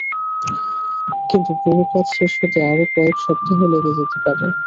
কিন্তু পুরো কাজ শেষ হতে আরও কয়েক সপ্তাহ লেগে যেতে পারে।